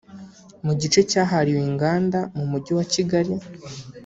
mu gice cyahariwe inganda mu Mujyi wa Kigali